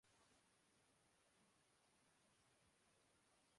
اپنے سے لگائی گئی امیدوں سے بہترکام کرتا ہوں